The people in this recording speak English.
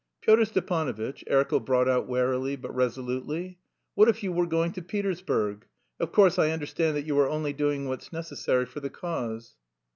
"Pyotr Stepanovitch," Erkel brought out warily but resolutely, "what if you were going to Petersburg? Of course, I understand that you are only doing what's necessary for the cause."